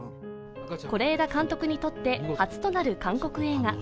是枝監督にとって初となる韓国映画。